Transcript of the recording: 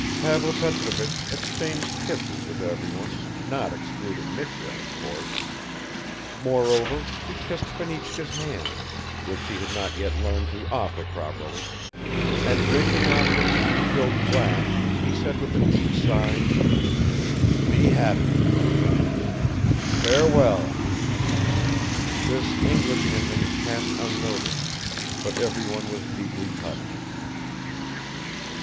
Pavel Petrovich exchanged kisses with everyone, not excluding Mitya, of course; moreover, he kissed Fenichka's hand, which she had not yet learned to offer properly, and drinking off his refilled glass, he said with a deep sigh: "Be happy, my friends! Farewell!" This English ending passed unnoticed; but everyone was deeply touched.